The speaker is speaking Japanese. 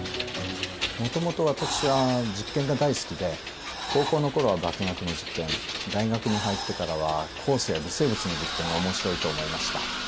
もともと私は実験が大好きで高校の頃は化学の実験大学に入ってからは酵素や微生物の実験が面白いと思いました。